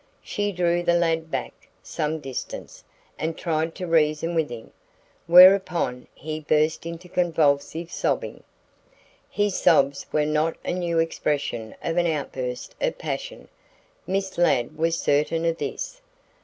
She drew the lad back some distance and tried to reason with him, whereupon he burst into convulsive sobbing. His sobs were not a new expression of an outburst of passion. Miss Ladd was certain of this.